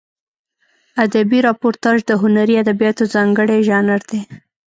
ادبي راپورتاژ د هنري ادبیاتو ځانګړی ژانر دی.